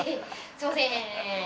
すいません